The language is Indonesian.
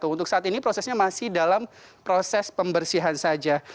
untuk saat ini prosesnya masih dalam proses pembersihan saja